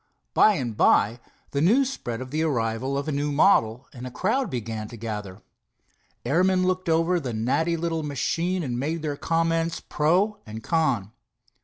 By and by the news spread of the arrival of a new model, and a crowd began to gather. Airmen looked over the natty little machine and made their comments, pro and con.